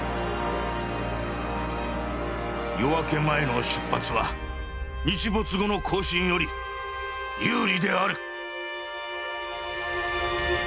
「夜明け前の出発は日没後の行進より有利である」。